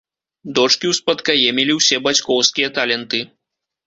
Дочкі ўспадкаемілі ўсе бацькоўскія таленты.